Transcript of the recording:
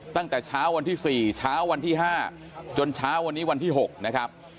ตั้งแต่เช้าวันที่๔เช้าวันที่๕จนเช้าวันนี้วันที่๖นะครับ